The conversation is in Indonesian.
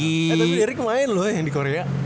eh tapi derick main loh yang di korea